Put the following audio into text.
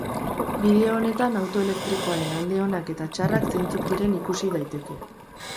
Bideo honetan auto elektrikoaren alde onak eta txarrak zeintzuk diren ikus daiteke.